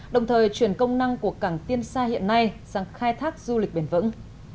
đồng thời chuyển công năng của cảng tiên sa hiện nay sang khai thác du lịch bền vững